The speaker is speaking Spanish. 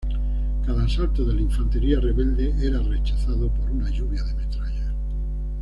Cada asalto de la infantería rebelde era rechazado por una lluvia de metralla.